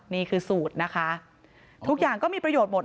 นี่คือสูตรนะคะทุกอย่างก็มีประโยชน์หมด